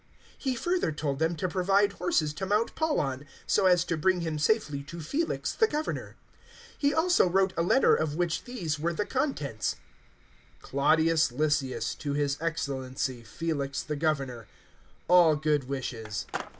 023:024 He further told them to provide horses to mount Paul on, so as to bring him safely to Felix the Governor. 023:025 He also wrote a letter of which these were the contents: 023:026 "Claudius Lysias to his Excellency, Felix the Governor: all good wishes.